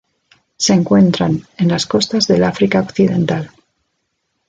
Se encuentran en las costas del África occidental.